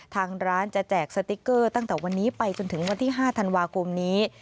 ทางร้านจะแจกสติ๊กเกอร์ตั้งแต่วันนี้ไปจนถึงวันที่๕ธันวาคมนี้